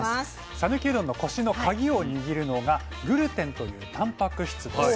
讃岐うどんのコシのカギを握るのがグルテンというタンパク質です。